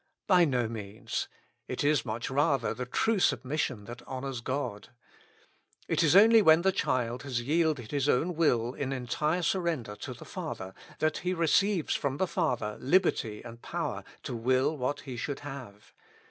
By no means; it is much rather the true submission that honors God. It is only when the child has yielded his own will in entire surrender to the Father, that he 82 With Christ in the School of Prayer. receives from the Father liberty and power to will what he would have.